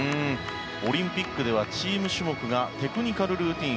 オリンピックではチーム種目がテクニカルルーティン